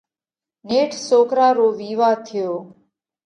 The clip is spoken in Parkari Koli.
نيٺ سوڪرا رو وِيوا ٿيو۔